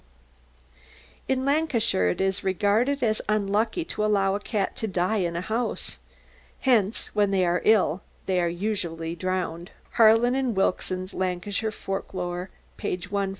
W. In Lancashire it is regarded as unlucky to allow a cat to die in a house. Hence,[F] when they are ill they are usually drowned. [F] Harland and Wilkinson, "Lancashire Folk lore," p. 141.